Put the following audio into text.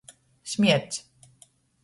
Smierts.